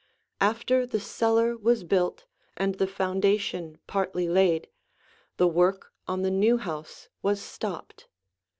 After the cellar was built and the foundation partly laid, the work on the new house was stopped.